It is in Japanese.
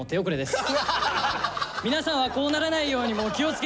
皆さんはこうならないようにもう気をつけてください。